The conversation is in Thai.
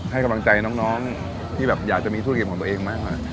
ให้กำลังใจน้องที่แบบอยากจะมีธุรกิจของตัวเองมากกว่า